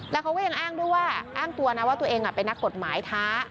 แล้วเขาก็ยังอ้างด้วยว่าอ้างตัวนะว่าตัวเองเป็นนักกฎหมายท้า